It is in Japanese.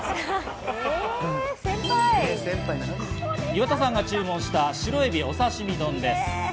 岩田さんが注文した、白えびお刺身丼です。